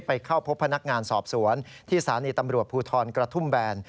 ไปเข้าพบพนักงานสอบสวนที่สถานีตำรวจภูทรกระทุ่มแบน